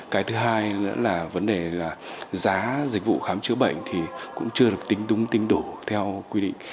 cái thứ hai nữa là vấn đề là giá dịch vụ khám chữa bệnh thì cũng chưa được tính đúng tính đủ theo quy định